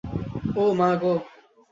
ও মা গো!